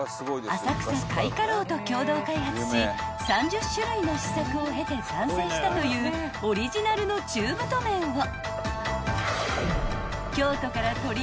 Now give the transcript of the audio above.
浅草開化楼と共同開発し３０種類の試作を経て完成したというオリジナルの中太麺を］